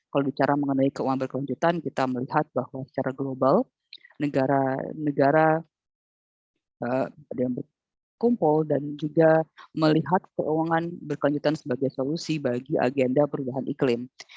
kalau bicara mengenai keuangan berkelanjutan kita melihat bahwa secara global negara yang berkumpul dan juga melihat keuangan berkelanjutan sebagai solusi bagi agenda perubahan iklim